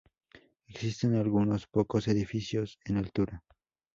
Existen algunos pocos edificios en altura.